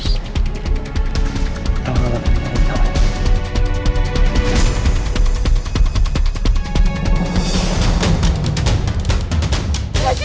kita berdua akan kembali ke rumah